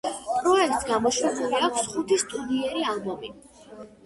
პროექტს გამოშვებული აქვს ხუთი სტუდიური ალბომი.